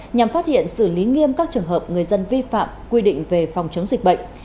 nhằm phát hiện xử lý nghiêm các trường hợp người dân vi phạm quy định về phòng chống dịch bệnh